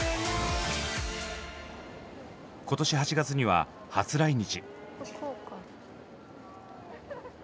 今年８月には初来日。